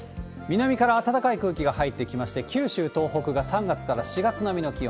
南から暖かい空気が入ってきまして、九州、東北が３月から４月並みの気温。